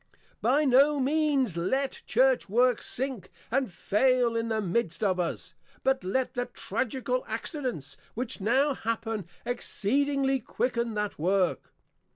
By no means let, Church work sink and fail in the midst of us; but let the Tragical Accidents which now happen, exceedingly Quicken that work.